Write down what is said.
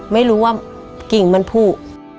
ไม่รู้ว่ากิ่งมันผูก